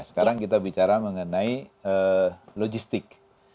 sekarang kita bicara mengenai logistik